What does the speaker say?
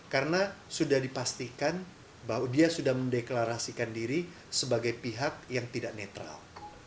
karena sudah dipastikan bahwa dia sudah mendeklarasikan diri sebagai pihak yang tidak netral